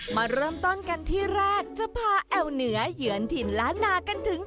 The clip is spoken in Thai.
มาเริ่มต้นกันที่แรกจะพาแอวเหนือเยือนถิ่นล้านนากันถึง